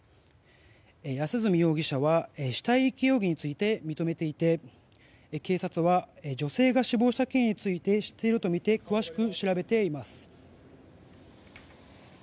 安栖容疑者は死体遺棄容疑について認めていて警察は女性が死亡した経緯について知っているとみて詳しく調べています。